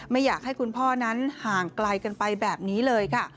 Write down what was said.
ไม่อยากให้คุณพ่อนั้นห่างไกลกันไปแบบนี้เลยค่ะ